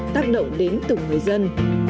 tác động đến tổng người dân